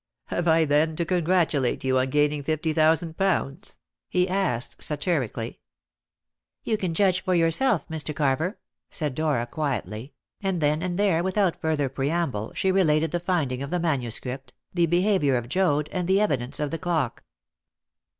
"Have I, then, to congratulate you on gaining fifty thousand pounds?" he asked satirically. "You can judge for yourself, Mr. Carver," said Dora quietly; and then and there, without further preamble, she related the finding of the manuscript, the behaviour of Joad, and the evidence of the clock.